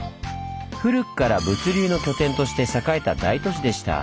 古くから物流の拠点として栄えた大都市でした。